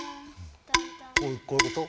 こういうこと？